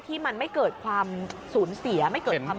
ที่มันไม่เกิดความสูญเสียไม่เกิดความ